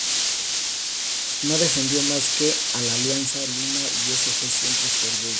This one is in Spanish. No defendió más que al Alianza Lima y ese fue siempre su orgullo.